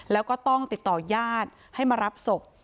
แล้วก็ต้องติดต่อญาติให้มารับศพ